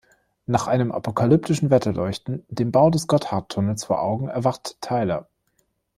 Nach einem apokalyptischen Wetterleuchten, den Bau des Gotthardtunnels vor Augen, erwacht Teiler.